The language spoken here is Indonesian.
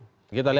kita lihat tadi